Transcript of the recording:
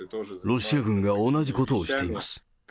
ロシア軍が同じことをしています。